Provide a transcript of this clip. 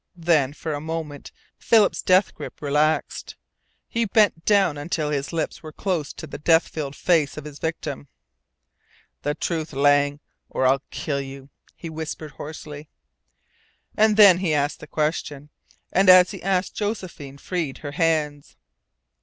Then for a moment Philip's death grip relaxed. He bent down until his lips were close to the death filled face of his victim. "The truth, Lang, or I'll kill you!" he whispered hoarsely. And then he asked the question and as he asked Josephine freed her hands.